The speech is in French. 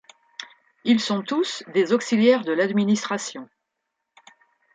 Ils sont tous des auxiliaires de l'administration.